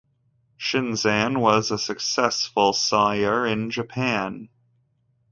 Shinzan was a successful sire in Japan.